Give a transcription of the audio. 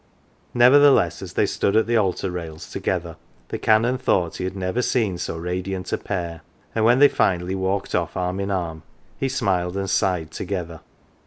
Nevertheless, as they stood at the altar rails together the Canon thought he had never seen so radiant a pair ; and when they finally walked off arm in arm he smiled and sighed together.